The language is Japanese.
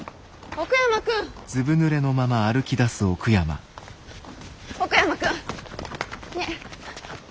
奥山君ねえ。